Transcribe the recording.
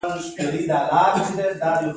موږ په ستا مینه کې میشته یو.